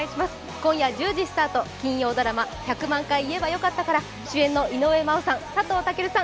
今夜１０時スタート、金曜ドラマ「１００万回言えばよかった」から主演の井上真央さん、佐藤健さん